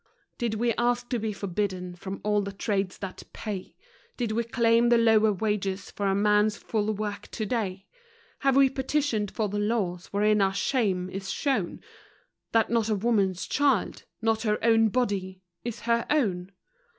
Did we ask to be forbidden from all the trades that pay? Did we claim the lower wages for a man's full work today? Have we petitioned for the laws wherein our shame is shown: That not a woman's child nor her own body is her own?